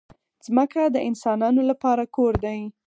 ځمکه د انسانانو لپاره کور دی.